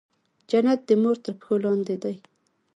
جنت د مور تر پښو لاندې دی